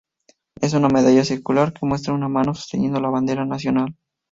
Es una medalla circular que muestra una mano sosteniendo la bandera nacional.